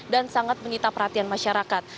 dan sangat mencita perhatian masyarakat